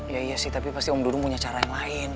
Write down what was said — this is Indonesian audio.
iya iya sih tapi pasti om dulu punya cara yang lain